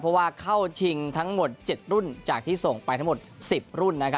เพราะว่าเข้าชิงทั้งหมด๗รุ่นจากที่ส่งไปทั้งหมด๑๐รุ่น